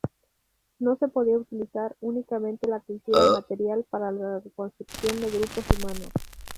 No se podía utilizar únicamente la cultura material para la reconstrucción de grupos humanos.